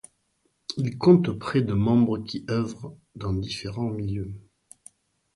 Il compte près de membres qui œuvrent dans différents milieux.